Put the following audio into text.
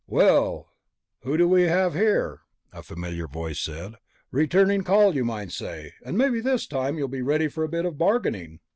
"Well, who do we have here?" a familiar voice said. "Returning a call, you might say. And maybe this time you'll be ready for a bit of bargaining."